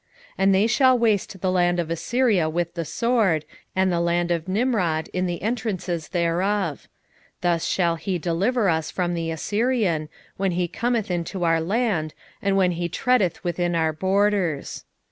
5:6 And they shall waste the land of Assyria with the sword, and the land of Nimrod in the entrances thereof: thus shall he deliver us from the Assyrian, when he cometh into our land, and when he treadeth within our borders.